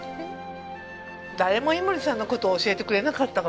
誰も井森さんの事を教えてくれなかったから。